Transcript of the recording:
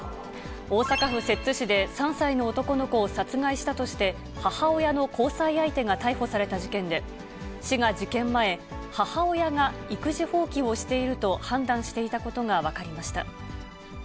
大阪府摂津市で、３歳の男の子を殺害したとして、母親の交際相手が逮捕された事件で、市が事件前、母親が育児放棄をしていると判断していたことが分かりました。